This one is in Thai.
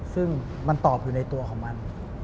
ซึ่งมันตอบอยู่ในตัวของมัน